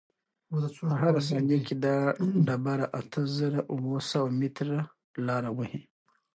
په هره ثانیه کې دا ډبره اته زره اوه سوه متره لاره وهي.